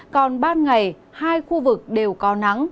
còn ban ngày hai khu vực đều có nắng